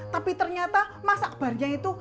tapi ternyata mas akbarnya itu